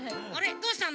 どうしたの？